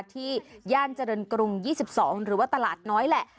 ย่านเจริญกรุง๒๒หรือว่าตลาดน้อยแหละ